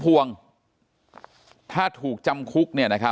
เป็นวันที่๑๕ธนวาคมแต่คุณผู้ชมค่ะกลายเป็นวันที่๑๕ธนวาคม